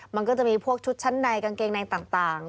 มันก็จะมีพวกชุดชั้นในกางเกงในต่าง